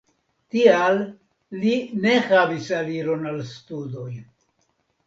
Tial li ne havis aliron al studoj.